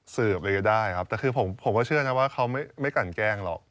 สืบอะไรก็ได้ครับแต่คือผมก็เชื่อนะว่าเขาไม่กันแกล้งหรอก